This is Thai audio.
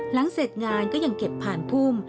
หลังเสร็จงานก็ยังเก็บผ่านพุ่ม